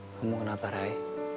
kamu kenapa rai